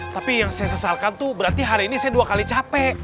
tapi yang saya sesalkan tuh berarti hari ini saya dua kali capek